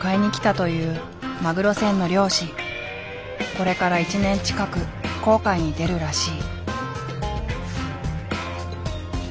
これから１年近く航海に出るらしい。